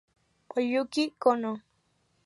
Oyuki Konno